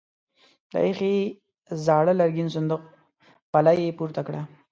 د ايښې زاړه لرګين صندوق پله يې پورته کړه.